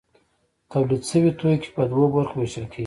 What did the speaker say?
تولید شوي توکي په دوو برخو ویشل کیږي.